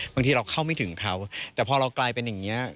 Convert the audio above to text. บางทีเราเข้าไม่ถึงเขาแต่พอเรากลายเป็นอย่างนี้